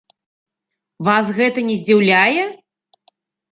Вас гэта не здзіўляе?